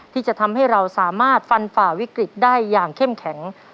ที่จะทำให้เราสามารถฟันฝ่าวิกฤตได้อย่างเข้มแข็ง